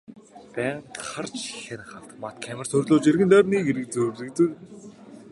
Байнга харж хянах автомат камер суурилуулж эргэн тойрныг зүлэгжүүлэн тохижуулжээ.